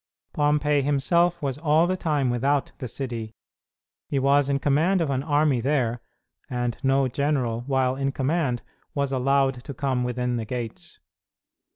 Pompey himself was all the time without the city. He was in command of an army there, and no general, while in command, was allowed to come within the gates.